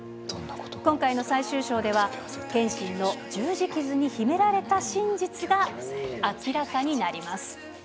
今回の最終章では、剣心の十字傷に秘められた真実が明らかになります。